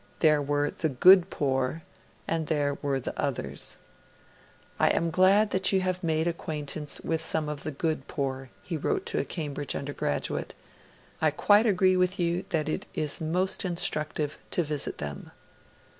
There were the 'good poor' and there were the others. 'I am glad that you have made acquaintance with some of the good poor,' he wrote to a Cambridge undergraduate. 'I quite agree with you that it is most instructive to visit them.'